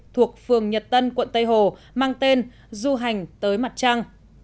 thuộc phường nhật tân quận tây hồ mang tên du hành tới mặt trăng